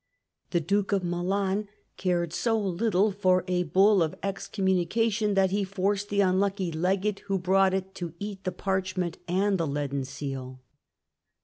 The Duke of Milan cared so little for a Bull of excommunication, that he forced the unlucky legate who brought it to eat the parchment and the leaden seal.